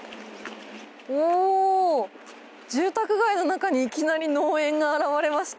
おー、住宅街の中にいきなり農園が現れました！